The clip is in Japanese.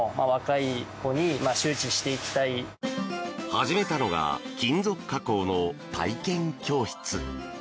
始めたのが金属加工の体験教室。